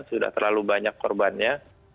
sudah terlalu banyak korbannya